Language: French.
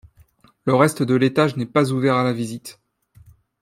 Le reste de l’étage n’est pas ouvert à la visite.